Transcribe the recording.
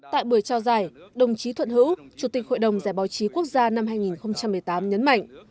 tại buổi trao giải đồng chí thuận hữu chủ tịch hội đồng giải báo chí quốc gia năm hai nghìn một mươi tám nhấn mạnh